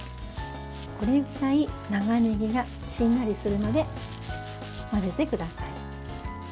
これぐらい長ねぎがしんなりするまで混ぜてください。